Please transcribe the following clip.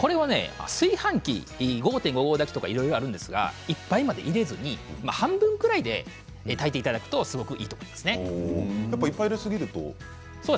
炊飯器に５．５合炊きとかありますけれどいっぱいまで入れずに半分ぐらいで炊いていただくといっぱい入れすぎると？